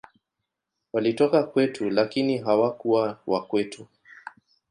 Walitoka kwetu, lakini hawakuwa wa kwetu.